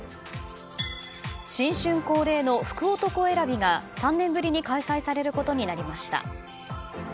新春恒例の福男選びが３年ぶりに開催されることになりました。